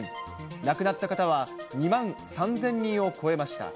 亡くなった方は２万３０００人を超えました。